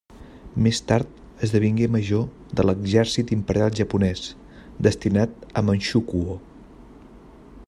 Més tard, esdevingué major de l'Exèrcit Imperial Japonès destinat a Manxukuo.